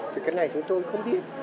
thì cái này chúng tôi không biết